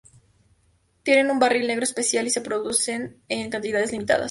Tienen un barril negro especial y se produjeron en cantidades limitadas.